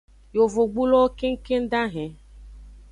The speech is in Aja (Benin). Yovogbulowo kengkeng dahen.